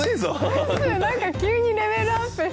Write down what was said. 何か急にレベルアップしすぎて。